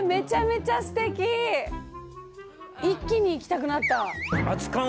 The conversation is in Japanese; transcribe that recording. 一気に行きたくなった。